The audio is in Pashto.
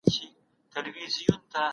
ارام ذهن د روښانه راتلونکي لامل کیږي.